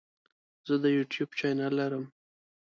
زه د یوټیوب چینل لرم.